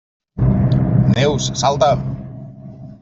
Neus, salta!